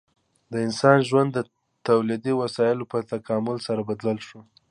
د انسان ژوند د تولیدي وسایلو په تکامل سره بدل شو.